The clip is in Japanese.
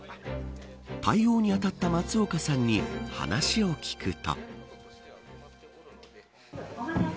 対応に当たった松岡さんに話を聞くと。